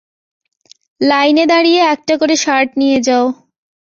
লাইনে দাঁড়িয়ে একটা করে শার্ট নিয়ে যাও।